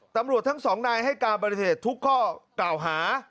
ตำรวจทั้งสองนายให้การปฏิเสธทุกข้อกล่าวหา